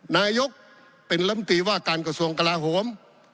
นายกเป็นลำตีว่าการกระทรวงกลาโหม